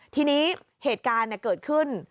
ทีนี้เหตุการณ์เกิดขึ้น